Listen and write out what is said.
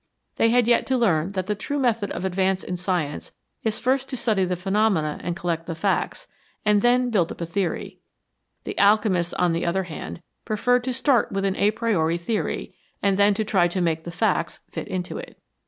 They had yet to learn that the true method of advance in science is first to study the phenomena and collect the facts, and then build up a theory ; the alchemists, on the other hand, preferred to start with an a priori theory, and then to try to make the facts fit into it.